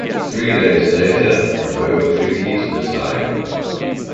Three days later the Rome treaties were signed.